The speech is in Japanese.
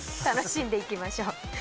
楽しんでいきましょう。